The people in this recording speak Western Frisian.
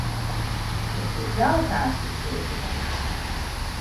Ik soe fjouwer kaartsjes keapje wolle.